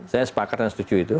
saya sepakat dan setuju itu